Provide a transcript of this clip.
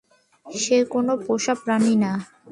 সে কোন পোষা প্রানী না।